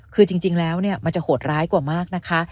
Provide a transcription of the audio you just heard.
คือจริงแล้วมันจะโหดร้ายกว่ามากนะคะ